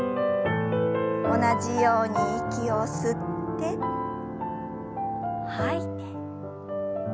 同じように息を吸って吐いて。